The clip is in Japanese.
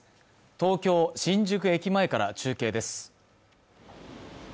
東京・新宿駅前から中継です